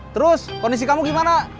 terus kondisi kamu gimana